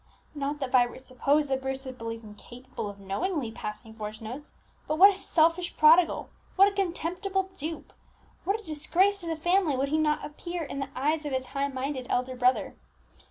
Not that Vibert supposed that Bruce would believe him capable of knowingly passing forged notes; but what a selfish prodigal what a contemptible dupe what a disgrace to the family, would he not appear in the eyes of his high minded elder brother!